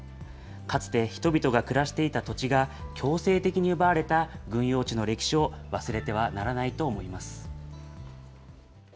かつて、人々が暮らしていた土地が、強制的に奪われた軍用地の歴史を忘れてはならないと思います。